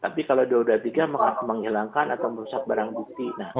tapi kalau dua ratus dua puluh tiga menghilangkan atau merusak barang bukti